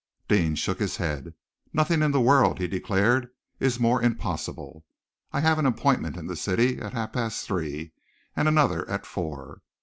Deane shook his head. "Nothing in the world," he declared, "is more impossible. I have an appointment in the city at half past three, and another at four.